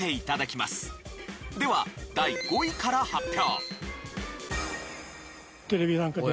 では第５位から発表。